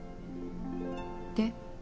で？